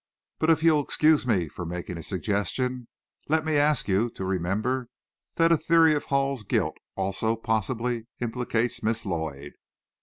But if you'll excuse me for making a suggestion, let me ask you to remember that a theory of Hall's guilt also possibly implicates Miss Lloyd.